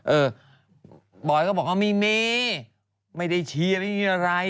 เออบอยก็บอกว่าไม่มีไม่ได้เชียร์ไม่มีอะไร